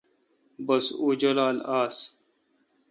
بس اوں جولال آس